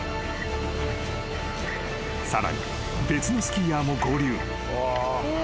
［さらに別のスキーヤーも合流］